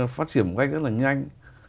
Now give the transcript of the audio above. phát triển một cách rất là nhanh